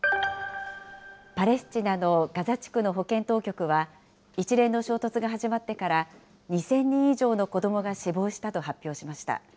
パレスチナのガザ地区の保健当局は、一連の衝突が始まってから、２０００人以上の子どもが死亡したと発表しました。